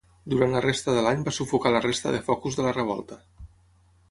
Durant la resta de l'any va sufocar la resta de focus de la revolta.